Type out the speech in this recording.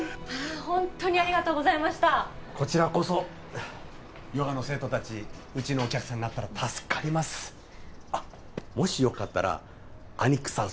ホントにありがとうございましたこちらこそヨガの生徒達うちのお客さんになったら助かりますあっもしよかったらアニクさん